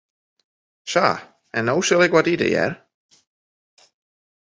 Sa, en no sil ik ek wat ite, hear.